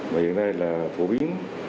và hiện nay là phổ biến